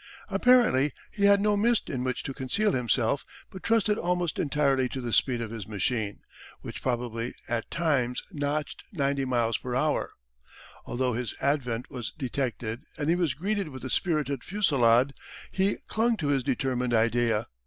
Apparently he had no mist in which to conceal himself but trusted almost entirely to the speed of his machine, which probably at times notched 90 miles per hour. Although his advent was detected and he was greeted with a spirited fusillade he clung to his determined idea.